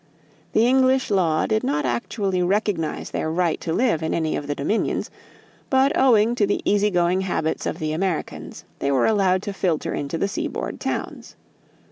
The English law did not actually recognize their right to live in any of the dominions, but owing to the easy going habits of the Americans they were allowed to filter into the seaboard towns.